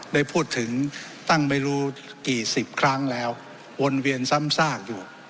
ได้พูดถึงตั้งไม่รู้กี่สิบครั้งแล้ววนเวียนซ้ำซากอยู่